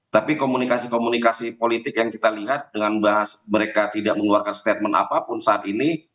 tapi komunikasi komunikasi politik yang kita lihat dengan mereka tidak mengeluarkan statement apapun saat ini